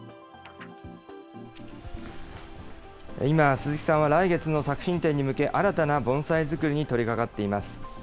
今、鈴木さんは来月の作品展に向け、新たな盆栽作りに取りかかっています。